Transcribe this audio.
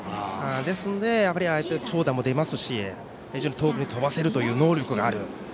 ですのでああいった長打も出ますし非常に遠くに飛ばせる能力がある。